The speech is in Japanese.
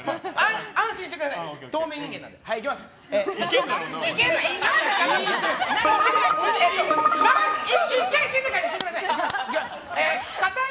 安心してください。